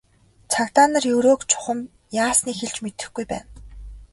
Цагдаа нар Ерөөг чухам яасныг хэлж мэдэхгүй байна.